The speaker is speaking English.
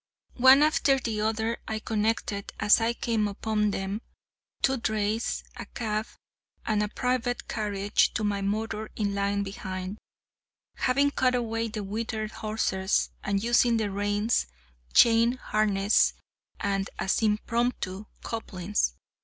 One after the other, I connected, as I came upon them, two drays, a cab, and a private carriage, to my motor in line behind, having cut away the withered horses, and using the reins, chain harness, &c., as impromptu couplings.